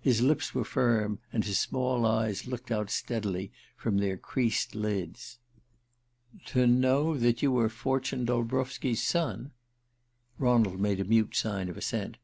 His lips were firm, and his small eyes looked out steadily from their creased lids. "To know that you were Fortune Dolbrowski's son?" Ronald made a mute sign of assent.